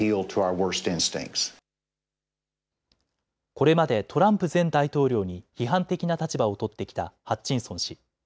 これまでトランプ前大統領に批判的な立場を取ってきたハッチンソン氏。